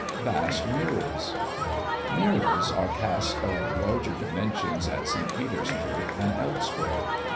VAST MIRRORS. Mirrors are cast of larger dimensions at St. Petersburg than elsewhere.